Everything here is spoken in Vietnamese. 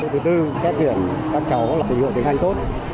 thứ bốn xét tuyển các cháu là trình hội tiến hành tốt